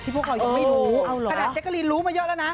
พวกเขายังไม่รู้ขนาดแจ๊กกะลีนรู้มาเยอะแล้วนะ